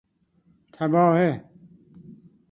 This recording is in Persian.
تباهه